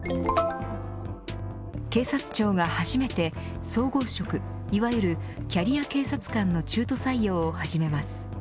警察庁が初めて総合職、いわゆるキャリア警察官の中途採用を始めます。